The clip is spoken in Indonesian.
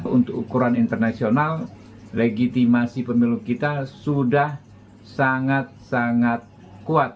untuk ukuran internasional legitimasi pemilu kita sudah sangat sangat kuat